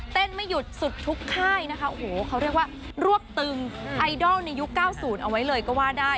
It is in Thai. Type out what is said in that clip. ไม่หยุดสุดทุกค่ายนะคะโอ้โหเขาเรียกว่ารวบตึงไอดอลในยุค๙๐เอาไว้เลยก็ว่าได้